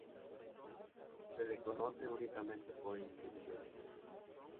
Se le conoce únicamente por inscripciones.